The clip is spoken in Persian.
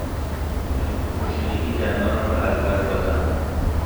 پرشدگی دندانم را از دست داده ام.